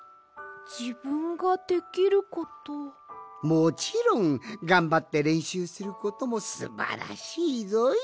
もちろんがんばってれんしゅうすることもすばらしいぞい！